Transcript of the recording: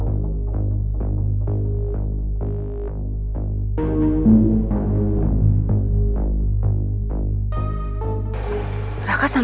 pastikan kalian tidak satu sdoor